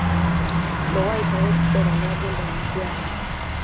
Bwe waayitawo ekiseera n'agenda mu ddwaliro.